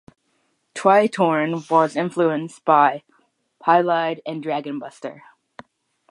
"Tritorn" was influenced by "Hydlide" and "Dragon Buster".